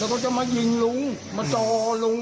แล้วก็จะมายิงลุงมาจอลุง